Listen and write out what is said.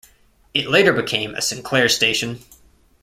It later became a Sinclair station.